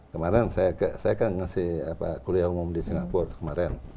kemarin saya kasih kuliah umum di singapura